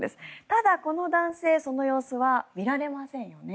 ただ、この男性その様子は見られませんよね。